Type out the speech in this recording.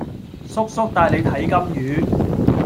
叔叔帶你睇金魚